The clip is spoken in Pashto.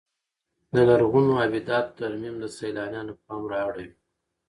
د لرغونو ابداتو ترمیم د سیلانیانو پام را اړوي.